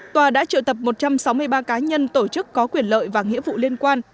tòa đã triệu tập một trăm sáu mươi ba cá nhân tổ chức có quyền lợi và nghĩa vụ liên quan